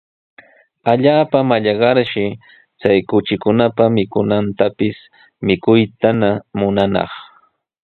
Allaapa mallaqnarshi chay kuchikunapa mikunantapis mikuytana munanaq.